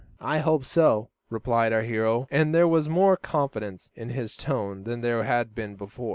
"I hope so," replied our hero, and there was more confidence in his tone than there had been before.